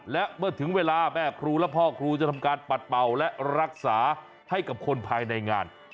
และเมื่อถึงเวลาแม่ครูและพ่อครูจะทำการปัดเป่าและรักษาให้กับคนภายในงาน